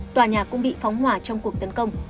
tòa nhà cũng bị phóng hỏa trong cuộc tấn công